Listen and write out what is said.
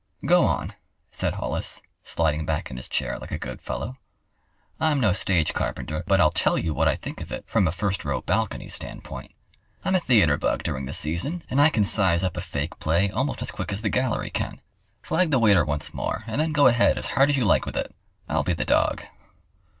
"Go on," said Hollis, sliding back in his chair like a good fellow. "I'm no stage carpenter, but I'll tell you what I think of it from a first row balcony standpoint. I'm a theatre bug during the season, and I can size up a fake play almost as quick as the gallery can. Flag the waiter once more, and then go ahead as hard as you like with it. I'll be the dog."